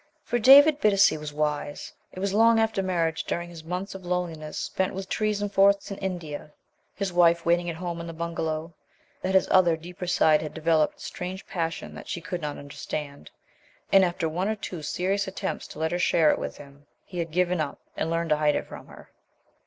For David Bittacy was wise. It was long after marriage, during his months of loneliness spent with trees and forests in India, his wife waiting at home in the Bungalow, that his other, deeper side had developed the strange passion that she could not understand. And after one or two serious attempts to let her share it with him, he had given up and learned to hide it from her.